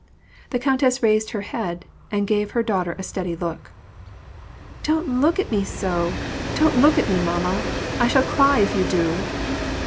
The countess raised her head and gave her daughter a steady look. ''Don't look at me so! Don't look at me, mamma; I shall cry if you do